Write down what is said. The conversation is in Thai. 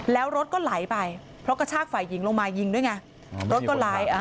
แล้วรถก็ไหลไปเพราะกระชากไฝหญิงลงมายิงด้วยไง